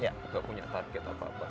tidak punya target apa apa